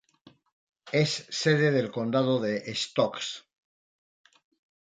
Es sede del condado de Stokes.